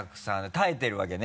耐えてるわけね？